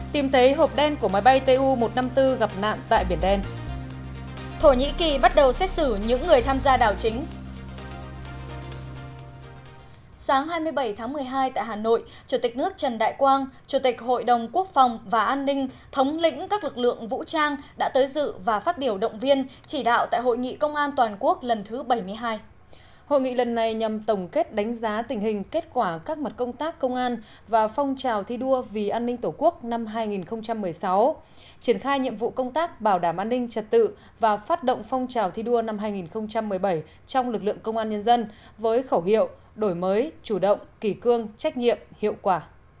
triển khai nhiệm vụ công tác bảo đảm an ninh trật tự và phát động phong trào thi đua năm hai nghìn một mươi bảy trong lực lượng công an nhân dân với khẩu hiệu đổi mới chủ động kỳ cương trách nhiệm hiệu quả